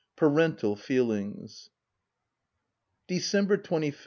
PARENTAL FEELINGS. December 25th.